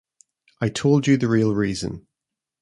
I told you the real reason.